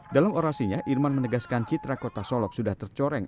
dalam orasinya irman menegaskan citra kota solok sudah tercoreng